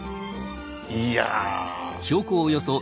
いや。